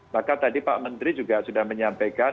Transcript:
maka tadi pak menteri juga sudah menyampaikan